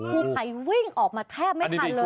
ผู้ภัยวิ่งออกมาแทบไม่ทันเลย